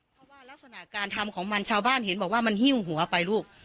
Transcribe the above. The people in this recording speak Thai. เพราะว่ารักษณะการทำของมันชาวบ้านเห็นบอกว่ามันหิ้วหัวไปลูก